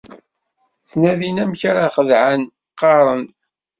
Ttnadin amek ara xedɛen, qqaren.